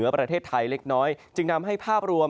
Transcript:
ประเทศไทยเล็กน้อยจึงนำให้ภาพรวม